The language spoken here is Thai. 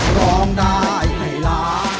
ร้องได้ไงล่ะ